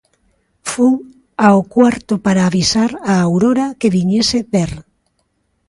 Fun ao cuarto para avisar a Aurora que viñese ver.